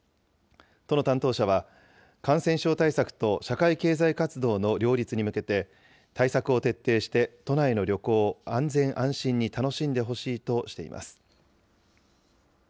都の担当者は、感染症対策と社会経済活動の両立に向けて、対策を徹底して都内の旅行を安全安心に楽しんでほしいとしています。